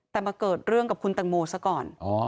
แต่มาเกิดเรื่องกับคุณตังโมซะก่อน